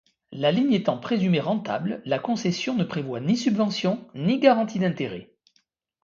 La ligne étant présumée rentable, la concession ne prévoit ni subvention, ni garantie d'intérêt.